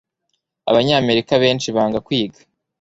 abanyamerika benshi banga kwiga